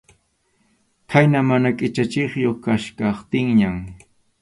Khayna mana qʼichachiyuq kachkaptinñan.